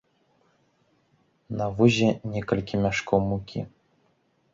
На возе некалькі мяшкоў мукі.